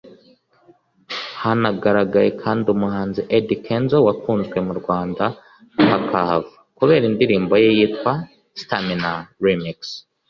Hanagaragaye kandi umuhanzi Eddy Kenzo wakunzwe mu Rwanda kakahava kubera indirimbo ye yitwa Stamina Remix